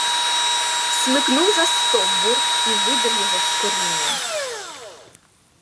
Смикнув за стовбур і видер його з корінням.